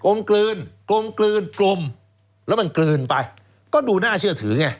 กลืนกลมกลืนกลมแล้วมันกลืนไปก็ดูน่าเชื่อถือไง